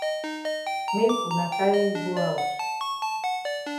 Make wuna carry yi go haus.